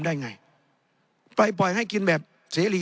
ในทางปฏิบัติมันไม่ได้